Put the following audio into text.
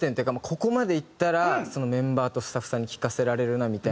ここまでいったらメンバーとスタッフさんに聴かせられるなみたいな。